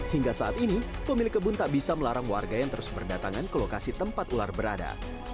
hingga saat ini pemilik kebun tak bisa melarang warga yang terus berdatangan ke lokasi tempat ular berada